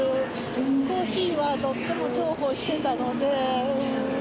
コーヒーはとっても重宝してたので。